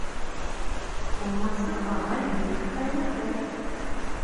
Урмансы ағай бик хәйләкәр.